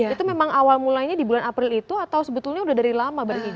itu memang awal mulanya di bulan april itu atau sebetulnya udah dari lama bang